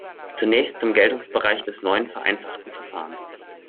Zunächst zum Geltungsbereich des neuen vereinfachten Verfahrens.